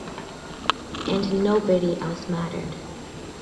And nobody else mattered.